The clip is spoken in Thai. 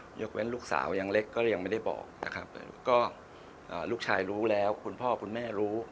ยกเว้นลูกสาวยังเล็กก็ยังไม่ได้บอกนะครับก็ลูกชายรู้แล้วคุณพ่อคุณแม่รู้